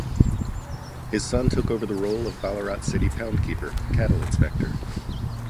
His son took over the role of Ballarat City pound keeper (Cattle Inspector).